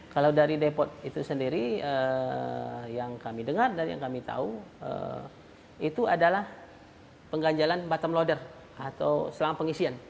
kalau dari depot itu sendiri yang kami dengar dari yang kami tahu itu adalah pengganjalan bottom loader atau selang pengisian